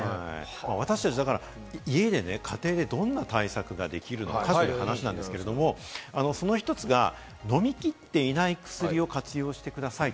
私たち、家庭でどんな対策ができるか？という話なんですが、その１つが飲みきっていない薬を活用してください。